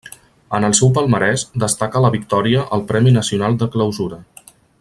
En el seu palmarès destaca la victòria al Premi Nacional de Clausura.